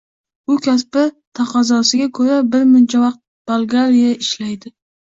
U kasbi taqozosiga ko`ra birmuncha vaqt Bolgariyada ishlaydi